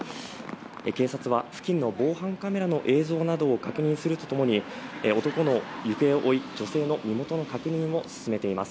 警察は付近の防犯カメラの映像などを確認すると共に、男の行方を追い女性の身元の確認を進めています。